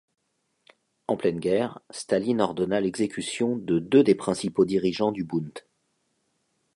En pleine guerre, Staline ordonna l'exécution de deux des principaux dirigeants du Bund.